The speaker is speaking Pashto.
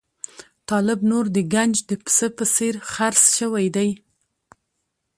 طالب نور د ګنج د پسه په څېر خرڅ شوی دی.